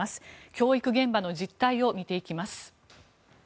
教育現場の実態を見ていきます。